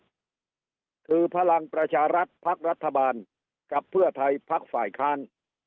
ก็คือพลังประชารัฐพักรัฐบาลกับเพื่อไทยพักฝ่ายค้าน